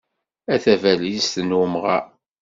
A tabalizt n umɣar.